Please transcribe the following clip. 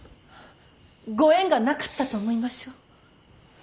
ご縁がなかったと思いましょう。